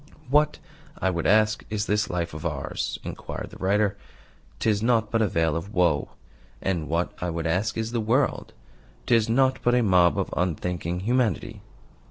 "What, I would ask, is this life of ours?" inquired the writer. "'Tis nought but a vale of woe. And what, I would ask, is the world? 'Tis nought but a mob of unthinking humanity."